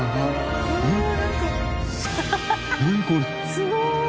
すごーい！